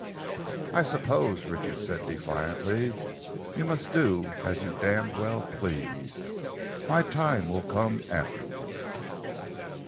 "I suppose," Richard said defiantly, "you must do as you d d well please. My time will come afterwards."